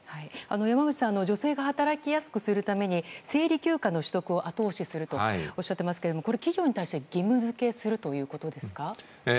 山口さん、女性が働きやすくするために生理休暇の取得を後押しするとおっしゃっていますがこれは企業に対して義務付けするということですか。